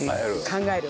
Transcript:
考える。